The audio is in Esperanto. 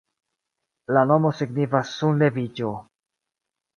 La nomo signifas "sunleviĝo".